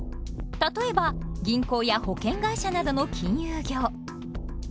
例えば銀行や保険会社などの金融業。